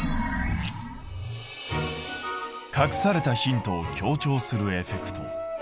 隠されたヒントを強調するエフェクト。